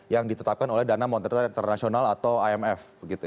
yang ditetapkan oleh dana montreal international atau imf